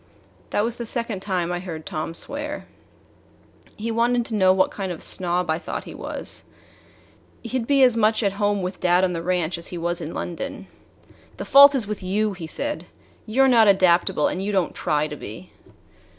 That was the second time I heard Tom swear. He wanted to know what kind of a snob I thought he was. He'd be as much at home with dad on the ranch as he was in London. "The fault is with you," he said. "You 're not adaptable, and you don't try to be."